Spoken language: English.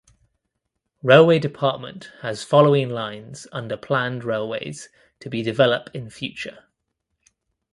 Railway Department has following lines under planned railways to be develop in future.